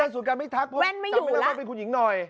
ถ้าเดินสวนกันไม่ทักแว่นไม่อยู่แล้วจำไม่ได้ว่าเป็นคุณหญิงหน่อย